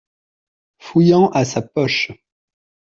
Fouillant à sa poche.